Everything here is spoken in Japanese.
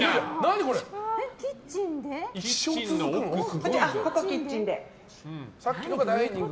ここキッチンです。